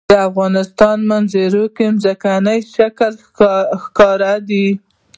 د افغانستان په منظره کې ځمکنی شکل ښکاره ده.